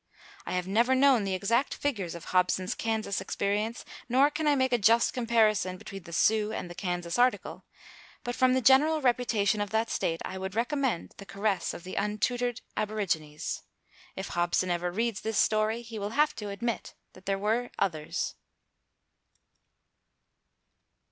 I have never known the exact figures of Hobson's Kansas experience, nor can I make a just comparison between the Sioux and the Kansas article, but from the general reputation of that state, I would recommend the caress of the untutored aborigines. If Hobson ever reads this story he will have to admit that there were others.